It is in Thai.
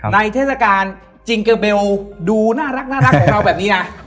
เทศกาลจิงเกอร์เบลดูน่ารักของเราแบบนี้นะ